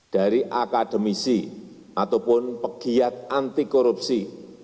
dari akademisi ataupun pegiat anti korupsi